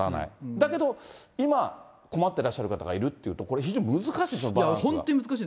だけど、今、困ってらっしゃる方がいるっていうと、これ非常に難本当に難しい。